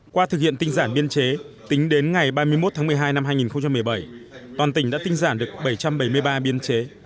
qua thực hiện tinh giản biên chế tính đến ngày ba mươi một tháng một mươi hai năm hai nghìn một mươi bảy toàn tỉnh đã tinh giản được bảy trăm bảy mươi ba biên chế